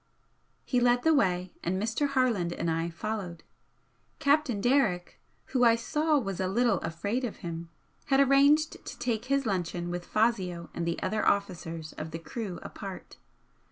He led the way, and Mr. Harland and I followed. Captain Derrick, who I saw was a little afraid of him, had arranged to take his luncheon with Fazio and the other officers of the crew apart.